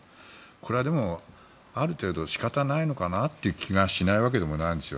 これはある程度仕方ないのかなという気がしないわけでもないんです。